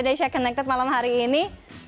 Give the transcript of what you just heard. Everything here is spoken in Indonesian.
indonesia connected malam hari ini